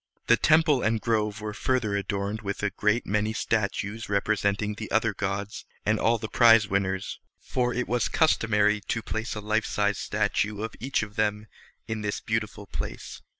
The temple and grove were further adorned with a great many statues representing the other gods and all the prize winners, for it was customary to place a life sized statue of each of them in this beautiful place.